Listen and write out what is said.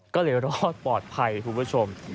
ก็เลยรอดปลอดภัยคุณผู้ชม